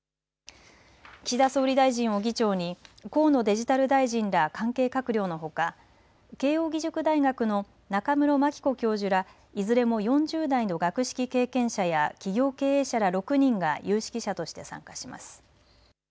岸田総理大臣を議長に河野デジタル大臣ら関係閣僚のほか、慶應義塾大学の中室牧子教授らいずれも４０代の学識経験者や企業経営者ら６人が有識者として参加します。